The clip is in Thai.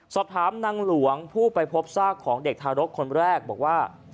สอบถามนางหลวงผู้ไปพบซากของเด็กทารกคนแรกบอกว่า